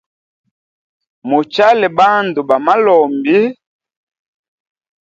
Muchale bandu ba malombi.